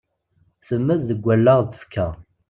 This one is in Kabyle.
Temmed deg wallaɣ d tfekka.